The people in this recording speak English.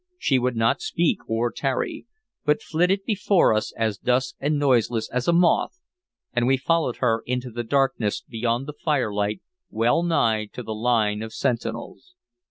She would not speak or tarry, but flitted before us as dusk and noiseless as a moth, and we followed her into the darkness beyond the firelight, well nigh to the line of sentinels.